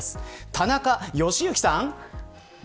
田中良幸さん。